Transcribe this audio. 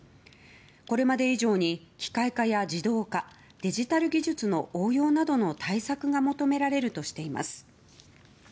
これまで以上に機械化や自動化デジタル技術の応用などの対策が求められるとしています。